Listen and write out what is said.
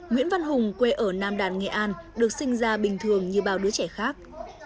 nguyễn văn hùng quê ở nam đàn nghệ an được sinh ra bình thường như bao đứa trẻ khác